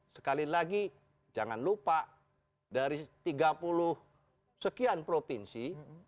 sekali lagi jangan lupa dari tiga puluh sekian provinsi